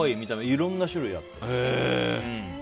いろいろな種類があって。